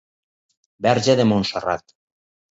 Verge de Montserrat.